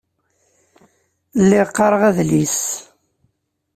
Lliɣ qqaṛeɣ adlis.